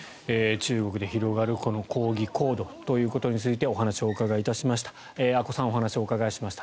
中国で広がる抗議行動ということについてお話をお伺いいたしました。